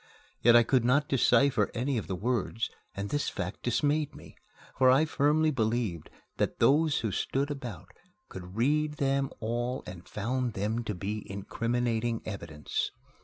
Yet I could not decipher any of the words, and this fact dismayed me, for I firmly believed that those who stood about could read them all and found them to be incriminating evidence.